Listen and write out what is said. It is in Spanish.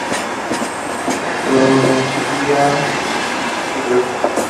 Procedía de una familia obrera.